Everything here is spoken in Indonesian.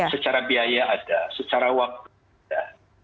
secara biaya ada secara waktu ada